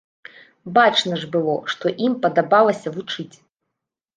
Бачна ж было, што ім падабалася вучыць.